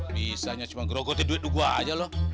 bisa nya cuma grogoti duit gua aja